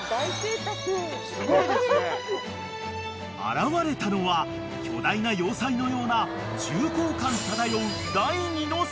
［現れたのは巨大な要塞のような重厚感漂う］